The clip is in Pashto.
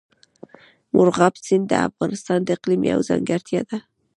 مورغاب سیند د افغانستان د اقلیم یوه ځانګړتیا ده.